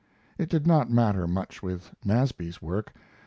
It did not matter much with Nasby's work.